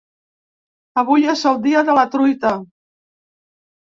Avui és el dia de la truita.